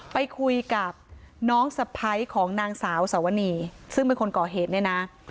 ไปคุยกับน้องสะพ้ายของนางสาวสวนีซึ่งเป็นคนก่อเหตุเนี่ยนะ